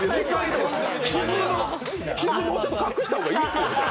傷、もうちょっと隠した方がいいですよ？